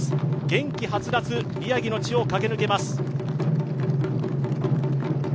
元気はつらつ、宮城の地を駆け抜けます。